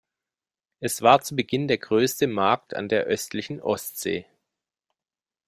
Es war zu Beginn der größte Markt an der östlichen Ostsee.